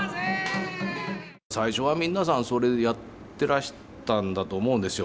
最初は皆さんそれでやってらしたんだと思うんですよ。